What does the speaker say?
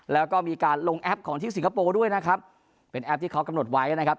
แล้วก็มีการลงแอปของที่สิงคโปร์ด้วยนะครับเป็นแอปที่เขากำหนดไว้นะครับ